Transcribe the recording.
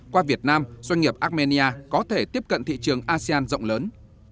qua việt nam doanh nghiệp armenia có thể tiếp cận thị trường asean rộng lớn